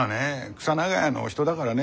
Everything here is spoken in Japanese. クサ長屋のお人だからね